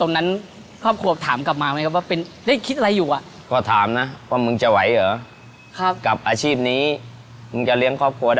มันก็ปีทุกปีก็ต้องมารุ้นเงี้ย